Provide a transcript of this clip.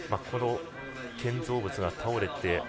建造物が倒れて。